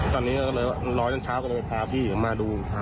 ตอนนี้ก็เลยรอจนเช้าก็เลยพาพี่มาดู